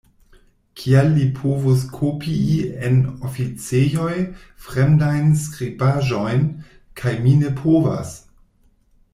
Kial li povus kopii en oficejoj fremdajn skribaĵojn, kaj mi ne povas?